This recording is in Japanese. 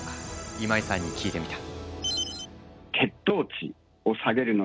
今井さんに聞いてみた。